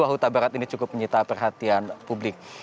huta barat ini cukup menyita perhatian publik